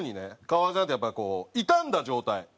革ジャンってやっぱりこう傷んだ状態